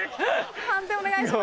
判定お願いします。